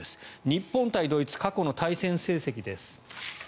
日本対ドイツ過去の対戦成績です。